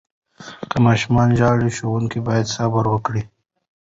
که ماشوم ژاړي، ښوونکي باید صبر وکړي.